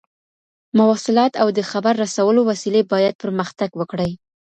مواصلات او د خبر رسولو وسيلې بايد پرمختګ وکړي.